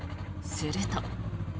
すると。